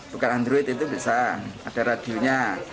bukan android itu bisa ada radionya